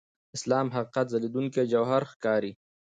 اسلام حقیقت ځلېدونکي جوهر ښکاري.